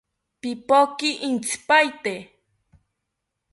Pipoki intzipaete